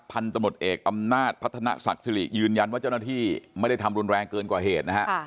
พันธมตเอกอำนาจพัฒนาศักดิ์สิริยืนยันว่าเจ้าหน้าที่ไม่ได้ทำรุนแรงเกินกว่าเหตุนะฮะ